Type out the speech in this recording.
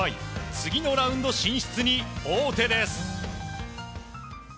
次のラウンド進出に王手です。